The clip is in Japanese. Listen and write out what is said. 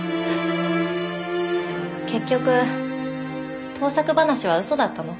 結局盗作話は嘘だったの？